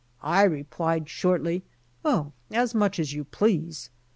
I replied shortly, "Oh, as much as you please."